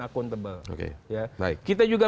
akuntabel ya kita juga